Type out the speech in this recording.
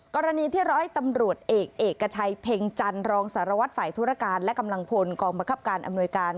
กรณีที่ร้อยตำรวจเอกเอกชัยเพ็งจันทร์รองสารวัตรฝ่ายธุรการและกำลังพลกองบังคับการอำนวยการ